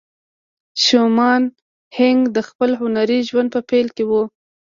شومان هينک د خپل هنري ژوند په پيل کې وه.